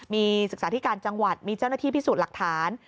มีศึกษาธิการจังหวัดมีเจ้าหน้าที่พิสูจน์หลักฐาน